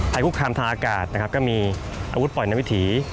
คุกคามทางอากาศนะครับก็มีอาวุธปล่อยในวิถี